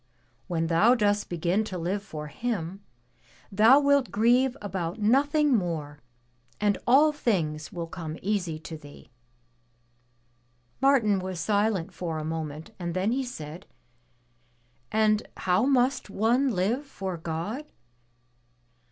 When thou dost begin to live for Him, thou wilt grieve about nothing more, and all things will come easy to thee/' Martin was silent for a moment, and then he said, "And how must one live for God?